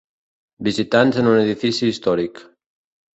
Visitants en un edifici històric.